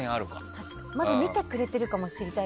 まず見てくれてるか知りたい。